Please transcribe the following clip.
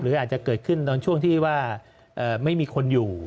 อาจจะเกิดขึ้นตอนช่วงที่ว่าไม่มีคนอยู่